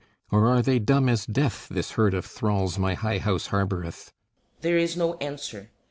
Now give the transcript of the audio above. Or are they dumb as death, This herd of thralls, my high house harboureth? [_There is no answer.